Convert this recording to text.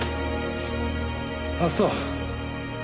あっそう。